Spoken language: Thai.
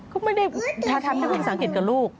เขาไม่ได้ทำได้คุณสังเกตกับลูก